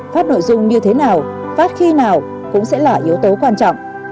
phát nội dung như thế nào phát khi nào cũng sẽ là yếu tố quan trọng